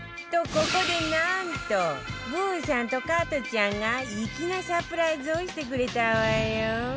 ここでなんとブーさんと加トちゃんが粋なサプライズをしてくれたわよ